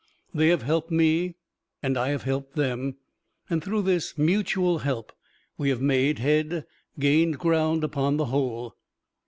They have helped me and I have helped them; and through this mutual help we have made head, gained ground upon the whole.